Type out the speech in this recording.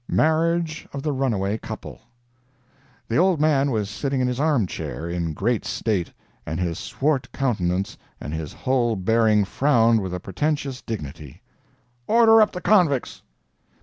MARRIAGE OF THE RUNAWAY COUPLE The "Old Man" was sitting in his arm chair in great state, and his swart countenance and his whole bearing frowned with a portentous dignity. "Order up the convicts!"